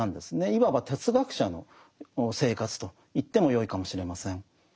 いわば哲学者の生活と言ってもよいかもしれません。